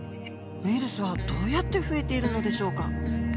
ウイルスはどうやって増えているのでしょうか。